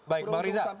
baik bang riza